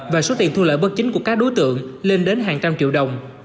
và số tiền thu lợi bất chính của các đối tượng lên đến hàng trăm triệu đồng